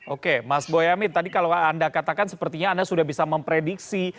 oke mas boyamin tadi kalau anda katakan sepertinya anda sudah bisa memprediksi